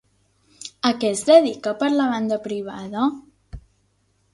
A què es dedica per la banda privada?